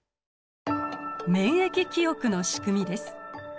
免疫記憶のしくみです。